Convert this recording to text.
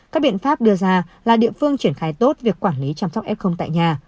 các biện pháp đưa ra là địa phương triển khai tốt việc quản lý chăm sóc f tại nhà